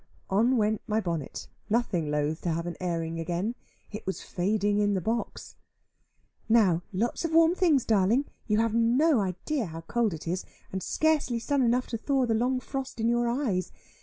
On went my bonnet, nothing loth to have an airing again. It was fading in the box. "Now lots of warm things, darling. You have no idea how cold it is, and scarcely sun enough to thaw the long frost in your eyes.